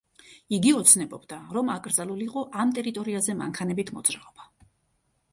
იგი ოცნებობდა, რომ აკრძალულიყო ამ ტერიტორიაზე მანქანებით მოძრაობა.